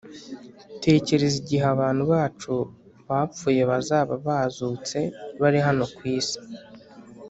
Tekereza igihe abantu bacu bapfuye bazaba bazutse bari hano ku isi!